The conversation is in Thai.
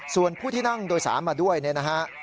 ส่วนผู้ที่นั่งโดยสารมาด้วยเนี่ยนะฮะ